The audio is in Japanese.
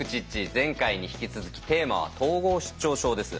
前回に引き続きテーマは「統合失調症」です。